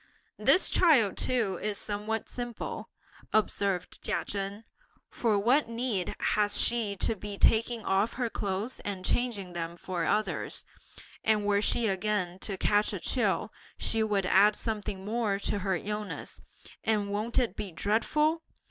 "This child too is somewhat simple," observed Chia Chen; "for what need has she to be taking off her clothes, and changing them for others? And were she again to catch a chill, she would add something more to her illness; and won't it be dreadful!